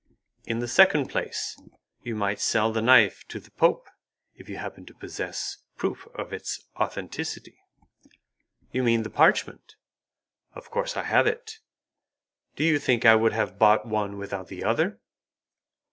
"In the second place, you might sell the knife to the Pope, if you happen to possess proof of its authenticity." "You mean the parchment. Of course I have it; do you think I would have bought one without the other?"